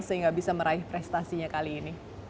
sehingga bisa meraih prestasinya kali ini